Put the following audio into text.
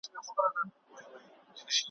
څاڅکي څاڅکي ډېرېږي ,